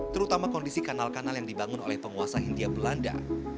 terutama kondisi kanal kanal yang dibangun oleh penguasa hindia belanda